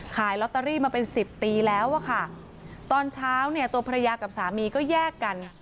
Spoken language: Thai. ขายลอตเตอรี่มาเป็นสิบปีแล้วอะค่ะตอนเช้าเนี่ยตัวภรรยากับสามีก็แยกกัน